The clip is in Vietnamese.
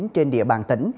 trên địa bàn tỉnh